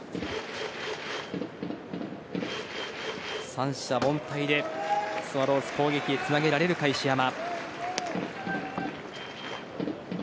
三者凡退でスワローズ攻撃へつなげられるか石山。